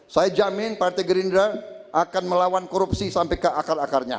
saya jamin partai gerindra akan melawan korupsi sampai ke akar akarnya